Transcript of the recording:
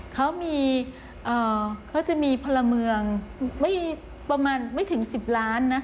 เขาจะมีพลเมืองไม่ประมาณไม่ถึง๑๐ล้านนะ